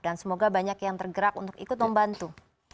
dan semoga banyak yang tergerak untuk ikut membantu